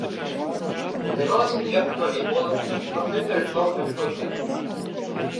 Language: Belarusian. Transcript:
Займалася бегам, валейболам і толькі пасля перайшла ў цяжкую атлетыку.